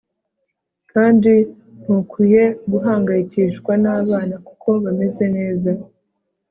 kandi ntukwiye guhangayikishwa nabana kuko bameze neza